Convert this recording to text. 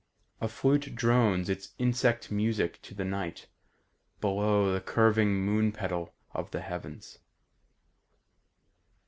A flute drones its insect music to the night Below the curving moon petal of the heavens.